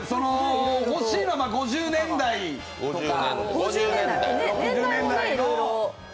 欲しいのは５０年代とか。